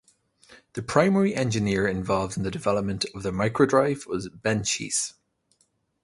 The primary engineer involved in the development of the Microdrive was Ben Cheese.